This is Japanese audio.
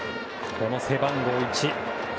この背番号１。